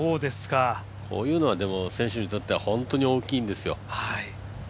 こういうのは選手にとっては本当に大きいんですよ。